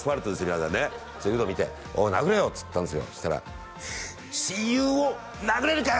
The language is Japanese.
皆さんねウド見て「おい殴れよ」っつったんですよそしたら「親友を殴れるかよ！」